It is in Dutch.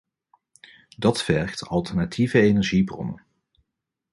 Dat vergt alternatieve energiebronnen.